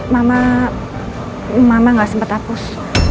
mama mama nggak sempat hapus